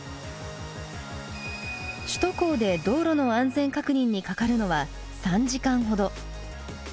首都高で道路の安全確認にかかるのは３時間ほど。